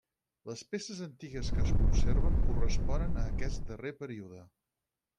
Les peces antigues que es conserven corresponen a aquest darrer període.